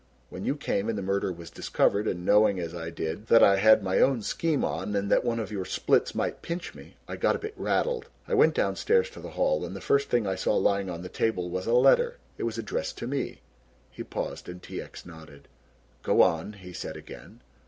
When you came and the murder was discovered and knowing as I did that I had my own scheme on and that one of your splits might pinch me, I got a bit rattled. I went downstairs to the hall and the first thing I saw lying on the table was a letter. It was addressed to me." He paused and T. X. nodded. "Go on," he said again.